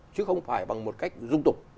chứ không phải bằng một cách dung tục